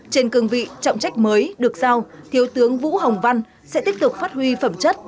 trên cương vị trọng trách mới được giao thiếu tướng vũ hồng văn sẽ tiếp tục phát huy phẩm chất